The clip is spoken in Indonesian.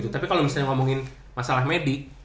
tapi kalau misalnya ngomongin masalah medik